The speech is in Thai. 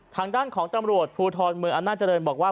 ทางด้านของตำรวจภูทรเมืองอำนาจริงบอกว่า